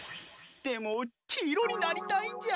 でもきいろになりたいんじゃー。